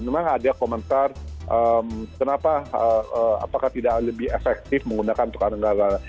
memang ada komentar kenapa apakah tidak lebih efektif menggunakan tukang anggaran